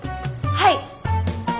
はい！